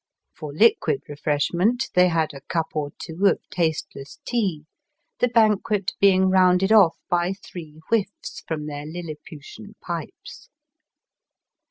For liquid refreshment they had had a cup or two of tasteless tea, the banquet being rounded off by three whiffs from their iniputian pipes.